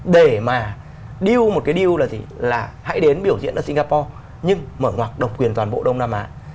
để mà hãy đến biểu diễn ở singapore nhưng mở ngoặc độc quyền toàn bộ đông nam á